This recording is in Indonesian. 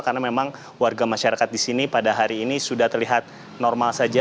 karena memang warga masyarakat di sini pada hari ini sudah terlihat normal saja